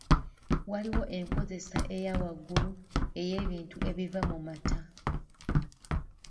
Waliwo enkozesa eya waggulu ey'ebintu ebiva mu mata.